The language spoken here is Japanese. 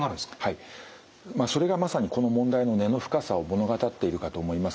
はいそれがまさにこの問題の根の深さを物語っているかと思います。